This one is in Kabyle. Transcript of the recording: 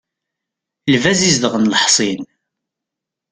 Lbaz izedɣen leḥṣin.